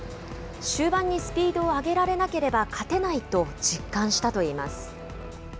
終盤にスピードを上げられなければ勝てないと実感したといいます。